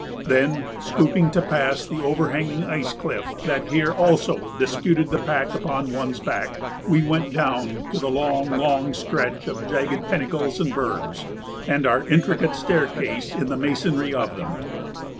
Then, stooping to pass the overhanging ice cliff that here also disputed the pack upon one's back, we went down to the long, long stretch of jagged pinnacles and bergs, and our intricate staircase in the masonry of them.